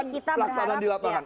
artinya kan pelaksanaan di lapangan